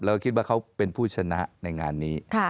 คิดว่าเขาเป็นผู้ชนะในงานนี้